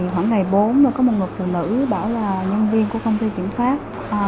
khoảng ngày bốn có một người phụ nữ bảo là nhân viên của công ty kiểm soát